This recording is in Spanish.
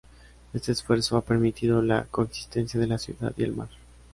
Este esfuerzo ha permitido la coexistencia de la ciudad y el mar.